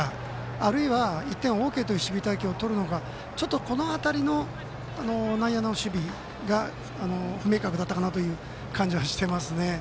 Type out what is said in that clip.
あるいは、１点ＯＫという守備隊形をとるのかちょっと、この辺りの内野の守備が不明確だったかなという感じしてますね。